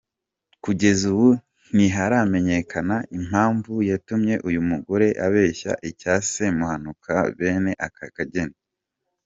Kugeza ubu ntiharamenyekana impamvu yatumye uyu mugore abeshya icya Semuhanuka bene aka kageni.